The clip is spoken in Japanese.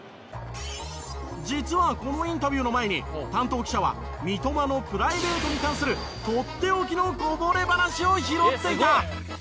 実はこのインタビューの前に担当記者は三笘のプライベートに関するとっておきのこぼれ話を拾っていた！